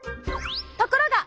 ところが！